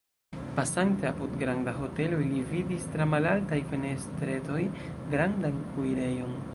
Pasante apud granda hotelo, ili vidis, tra malaltaj fenestretoj, grandan kuirejon.